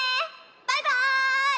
バイバーイ！